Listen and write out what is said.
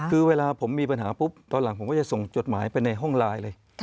คือเวลาผมมีปัญหาปุ๊บตอนหลังผมก็จะส่งจดหมายไปในห้องไลน์เลย